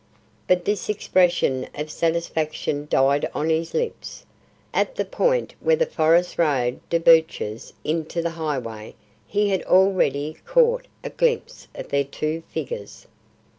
But this expression of satisfaction died on his lips. At the point where the forest road debouches into the highway, he had already caught a glimpse of their two figures.